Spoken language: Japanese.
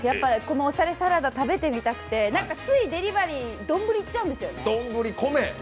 おしゃれサラダ食べてみたくてついデリバリー、丼いっちゃうんですよ。